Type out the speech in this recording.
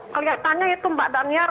keliatannya itu mbak dinar